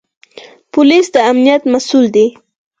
پولیس د امنیت مسوول دی